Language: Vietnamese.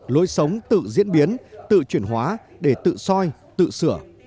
lối sống tự diễn biến tự chuyển hóa để tự soi tự sửa